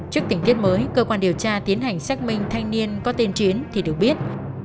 trước tình tiết mới cơ quan điều tra tiến hành xác minh thanh niên có tên chiến thì được biết